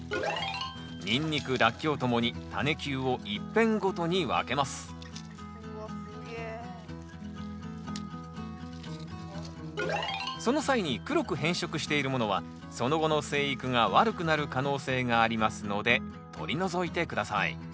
ニンニクラッキョウともにタネ球を１片ごとに分けますその際に黒く変色しているものはその後の生育が悪くなる可能性がありますので取り除いて下さい。